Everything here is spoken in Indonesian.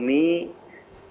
kemudian menerima teleponnya